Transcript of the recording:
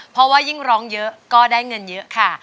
เพราะว่ายิ่งร้องเยอะก็ได้เงินเยอะค่ะ